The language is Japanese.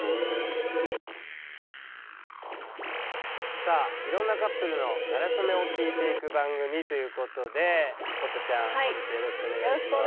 さあいろんなカップルのなれそめを聞いていく番組ということで堀田ちゃん本日はよろしくお願いします。